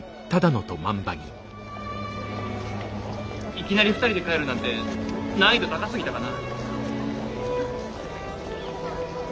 いきなり２人で帰るなんて難易度高すぎたかな。